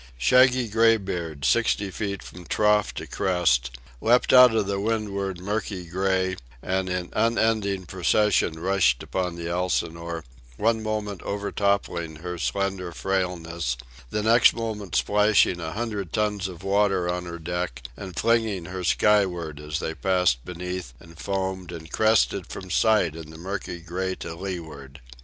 Shaggy gray beards, sixty feet from trough to crest, leapt out of the windward murky gray, and in unending procession rushed upon the Elsinore, one moment overtoppling her slender frailness, the next moment splashing a hundred tons of water on her deck and flinging her skyward as they passed beneath and foamed and crested from sight in the murky gray to leeward.